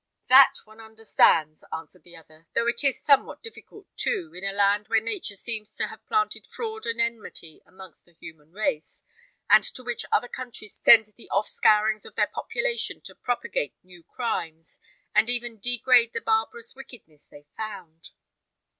"That one understands," answered the other; "though it is somewhat difficult, too, in a land where nature seems to have planted fraud and enmity amongst the human race, and to which other countries send the offscourings of their population to propagate new crimes, and even degrade the barbarous wickedness they found."